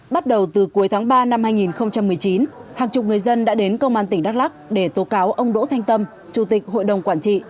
bắt đầu từ cuối tháng ba năm hai nghìn một mươi chín hàng chục người dân đã đến công an tỉnh đắk lắc để tố cáo ông đỗ thanh tâm chủ tịch hội đồng quản trị